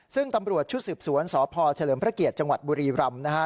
ซึ่งตำรวจชุดสืบสวนสพเฉลิมพระเกียรติจังหวัดบุรีรำนะฮะ